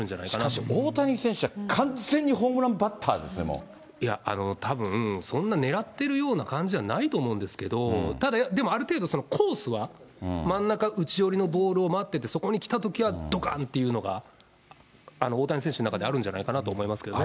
しかし、大谷選手は完全にホいや、たぶん、そんな狙ってるような感じじゃないと思うんですけど、ただ、でもある程度、コースは真ん中、内寄りのボールを待ってて、そこに来たときはどかんっていうのが、大谷選手の中であるんじゃないかなと思いますけどね。